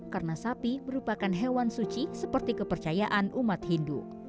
karena sapi merupakan hewan suci seperti kepercayaan